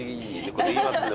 これ言いますよ